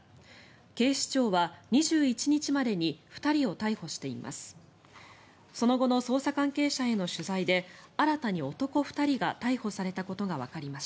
警視庁は２１日までに２人を逮捕しています。